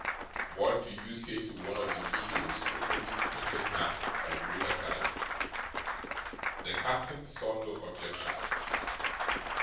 'What do you say to one of the meadows opposite Twickenham, by the river side?' The captain saw no objection.